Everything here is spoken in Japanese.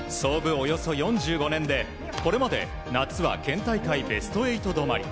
およそ４５年でこれまで夏は県大会ベスト８止まり。